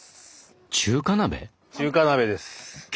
中華鍋？